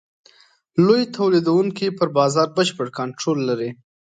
لوی تولیدوونکي پر بازار بشپړ کنټرول لري.